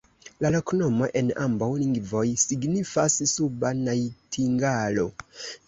La loknomo en ambaŭ lingvoj signifas: suba najtingalo.